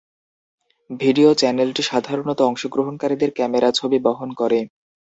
Video চ্যানেলটি সাধারণত অংশগ্রহণকারীদের ক্যামেরা ছবি বহন করে।